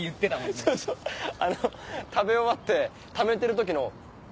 そうそうあの食べ終わってためてる時の。